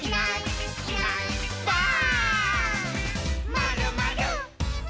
「まるまる」